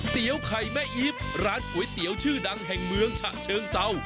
เตี๋ยวไข่แม่อีฟร้านก๋วยเตี๋ยวชื่อดังแห่งเมืองฉะเชิงเศร้า